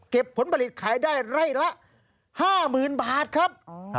ผลผลิตขายได้ไร่ละ๕๐๐๐บาทครับ